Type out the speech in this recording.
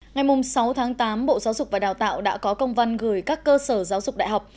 ngày sáu tháng tám bộ giáo dục và đào tạo đã có công văn gửi các cơ sở giáo dục đại học